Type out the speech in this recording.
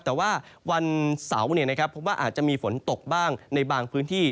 แต่ว่าวันเสาร์พบว่าอาจจะมีฝนตกบ้างในบางพื้นที่